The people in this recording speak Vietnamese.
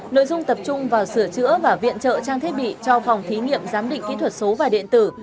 nội dung tập trung vào sửa chữa và viện trợ trang thiết bị cho phòng thí nghiệm giám định kỹ thuật số và điện tử